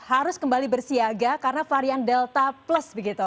harus kembali bersiaga karena varian delta plus begitu